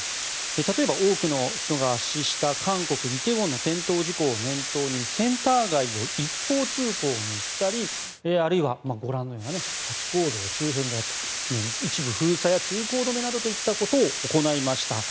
例えば多くの人が圧死した韓国・梨泰院の雑踏事故を念頭にセンター街を一方通行にしたりあるいは、ご覧のようなハチ公像周辺であったり一部封鎖や通行止めなどといったことを行いました。